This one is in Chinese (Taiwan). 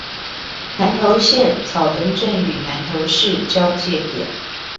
南投縣草屯鎮與南投市交界點